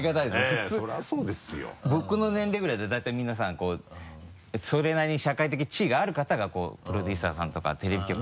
普通僕の年齢ぐらいだと大体皆さんそれなりに社会的地位がある方がこうプロデューサーさんとかテレビ局。